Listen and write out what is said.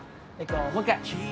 もう１回。